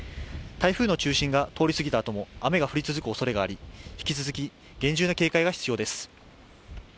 台風の中心が通りすぎたあとも雨が降り続くおそれがあり引き続き厳重な警戒が必要です。